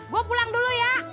gue pulang dulu ya